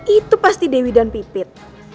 itu pasti dewi dan pipit